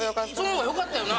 その方がよかったよな。